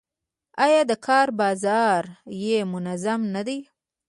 آیا د کار بازار یې منظم نه دی؟